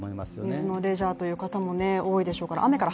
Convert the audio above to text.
夏のレジャーという方も多いでしょうからね